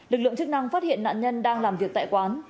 lực lượng chức năng phát hiện nạn nhân đang làm việc tại quán